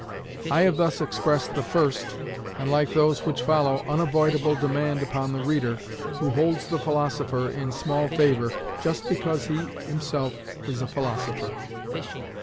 I have thus expressed the first, and like those which follow, unavoidable demand upon the reader, who holds the philosopher in small favour just because he himself is a philosopher.